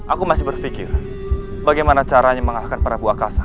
aku masih berpikir bagaimana caranya mengalahkan para buah kasa